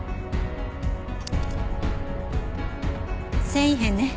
繊維片ね。